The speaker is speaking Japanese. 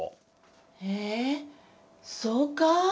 えそうか？